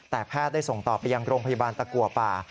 แต่แพทย์ได้ส่งต่อไปยังโรงพยาบาลตะกัวป่า